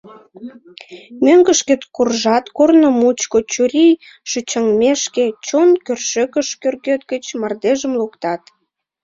Мӧҥгышкет куржат, корно мучко, чурий шӱчаҥмешке, чойн кӧршӧкыш кӧргет гыч мардежым луктат.